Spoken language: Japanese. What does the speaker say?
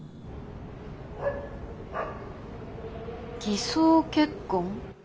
偽装結婚？